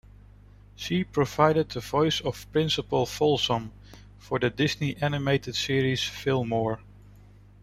She provided the voice of Principal Folsom for the Disney animated series Fillmore!